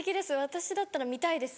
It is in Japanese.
私だったら見たいです